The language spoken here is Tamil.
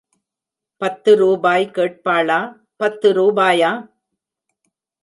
பத்துருபாய் கேட்பாளா? பத்து ரூபாயா?